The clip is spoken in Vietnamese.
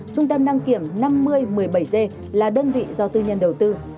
trung tâm đăng kiểm năm mươi một mươi bảy g là đơn vị do tư nhân đầu tư